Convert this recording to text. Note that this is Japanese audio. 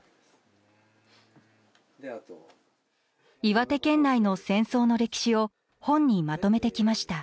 岩手県内の戦争の歴史を本にまとめてきました。